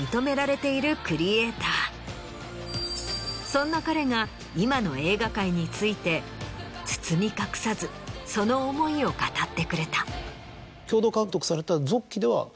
そんな彼が今の映画界について包み隠さずその思いを語ってくれた。